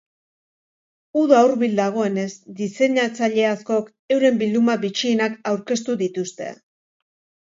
Uda hurbil dagoenez, diseinatzaile askok euren bilduma bitxienak aurkeztu dituzte.